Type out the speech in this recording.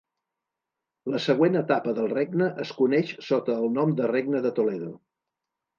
La següent etapa del regne es coneix sota el nom de Regne de Toledo.